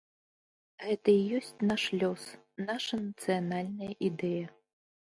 Гэта і ёсць наш лёс, наша нацыянальная ідэя.